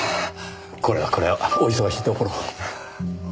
これはこれはお忙しいところ。